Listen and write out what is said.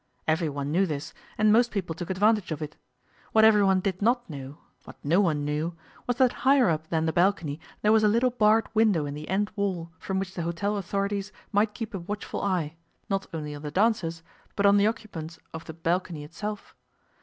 Everyone knew this, and most people took advantage of it. What everyone did not know what no one knew was that higher up than the balcony there was a little barred window in the end wall from which the hotel authorities might keep a watchful eye, not only on the dancers, but on the occupants of the balcony itself.